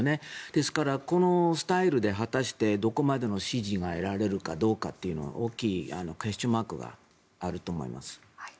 ですからこのスタイルで果たしてどこまでの支持が得られるかどうかっていうのは大きいクエスチョンマークがあると思います。